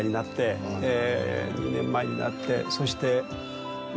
２年前になってそして。